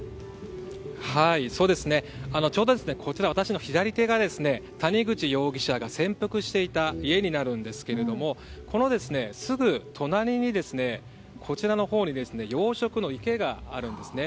ちょうどこちら私の左手が谷口容疑者が潜伏していた家になるんですがこのすぐ隣に養殖の池があるんですね。